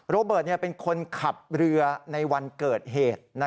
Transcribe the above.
โรเบิร์ตเป็นคนขับเรือในวันเกิดเหตุ